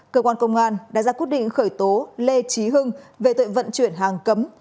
cơ quan công an đã ra quyết định khởi tố lê trí hưng về tội vận chuyển hàng cấm